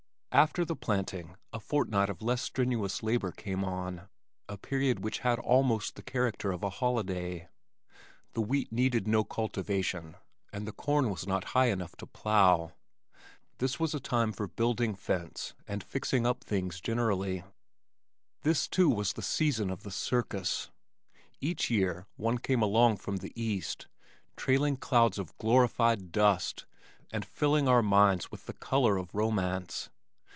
After the planting a fortnight of less strenuous labor came on, a period which had almost the character of a holiday. The wheat needed no cultivation and the corn was not high enough to plow. This was a time for building fence and fixing up things generally. This, too, was the season of the circus. Each year one came along from the east, trailing clouds of glorified dust and filling our minds with the color of romance.